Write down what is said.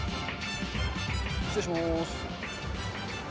失礼します。